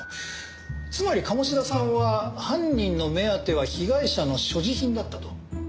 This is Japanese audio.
つまり鴨志田さんは犯人の目当ては被害者の所持品だったと。